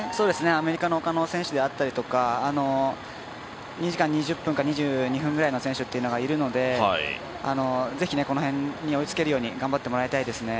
アメリカの他の選手であったりとか２時間２０分とか２２分ぐらいの選手がいるのでぜひ、この辺に追いつけるように頑張ってもらいたいですね。